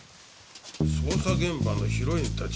「捜査現場のヒロインたち」？